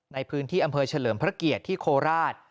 ในพื้นที่อำเภอเฉลิมพระเกียรติที่โคราช